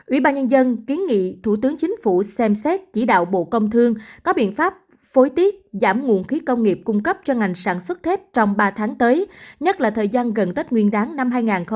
ubnd ký nghị thủ tướng chính phủ xem xét chỉ đạo bộ công thương có biện pháp phối tiết giảm nguồn khí công nghiệp cung cấp cho ngành sản xuất thép trong ba tháng tới nhất là thời gian gần tết nguyên đáng năm hai nghìn hai mươi hai